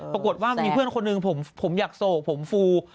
ปรากฏว่ามีเพื่อนคนนึงหัวผมยากโศกหัวผมฟู